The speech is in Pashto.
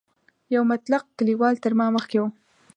یو مطلق کلیوال تر ما مخکې و.